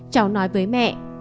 cháu nói với mẹ